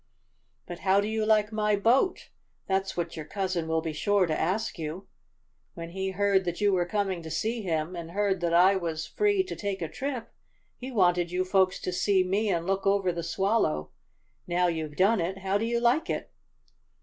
"But how do you like my boat? That's what your cousin will be sure to ask you. When he heard that you were coming to see him, and heard that I was free to take a trip, he wanted you folks to see me and look over the Swallow. Now you've done it, how do you like it?"